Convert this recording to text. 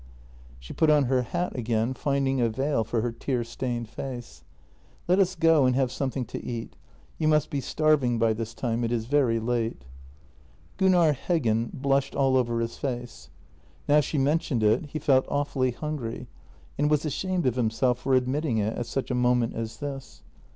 She put on her hat again, finding a veil for her tear stained face: " Let us go and have something to eat — you must be starving by this time — it is very late." Gunnar Heggen blushed all over his face. Now she men tioned it, he felt awfully hungry, and was ashamed of himself for admitting it at such a moment as this.